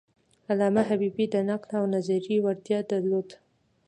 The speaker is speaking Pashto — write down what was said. علامه حبیبي د نقد او نظریې وړتیا درلوده.